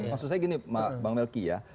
maksud saya gini bang melki ya